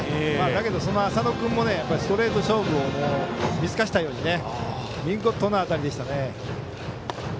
だけど浅野君もストレート勝負を見透かしたように見事なあたりでしたね。